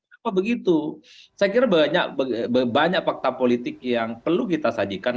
kenapa begitu saya kira banyak fakta politik yang perlu kita sajikan